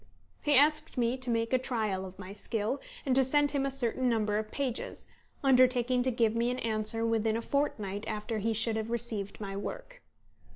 He asked me to make a trial of my skill, and to send him a certain number of pages, undertaking to give me an answer within a fortnight after he should have received my work.